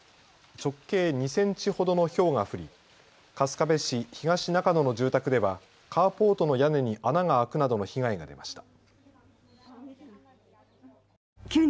直径２センチほどのひょうが降り春日部市東中野の住宅ではカーポートの屋根に穴が開くなどの被害が出ました。